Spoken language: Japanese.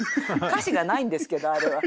歌詞がないんですけどあれは。